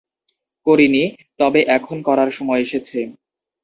করিনি, তবে এখন করার সময় এসেছে।